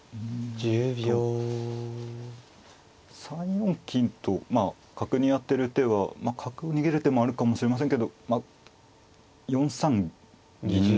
３四金とまあ角に当てる手はまあ角を逃げる手もあるかもしれませんけどまあ４三銀成と。